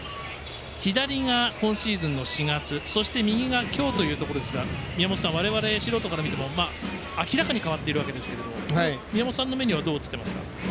左が、今シーズンの４月、そして右が今日ですが宮本さん、我々素人から見ても明らかに変わっているわけですが宮本さんの目にはどう映っていますか？